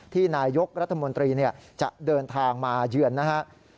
นายกรัฐมนตรีจะเดินทางมาเยือนนะครับ